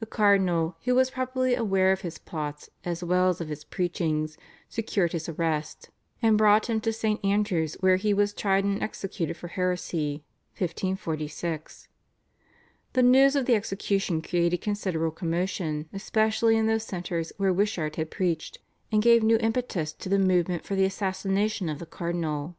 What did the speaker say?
The cardinal, who was probably aware of his plots as well as of his preachings, secured his arrest, and brought him to St. Andrew's, where he was tried and executed for heresy (1546). The news of the execution created considerable commotion especially in those centres where Wishart had preached, and gave new impetus to the movement for the assassination of the cardinal.